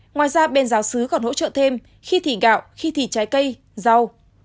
ngoài ra bên giáo sứ còn hỗ trợ thêm khi thị gạo khi thị trái cây rau